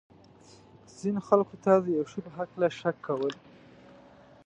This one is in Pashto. ځینو خلکو ته د یو شي په هکله شک کول.